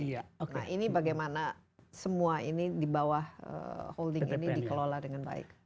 nah ini bagaimana semua ini di bawah holding ini dikelola dengan baik